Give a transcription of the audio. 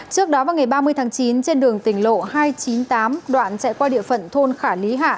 trước đó vào ngày ba mươi tháng chín trên đường tỉnh lộ hai trăm chín mươi tám đoạn chạy qua địa phận thôn khả lý hạ